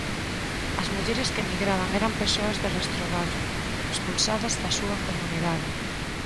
As mulleres que emigraban eran persoas de restroballo, expulsadas da súa comunidade.